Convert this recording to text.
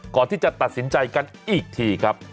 ก่อนที่จะตัดสินใจกันอีกทีครับ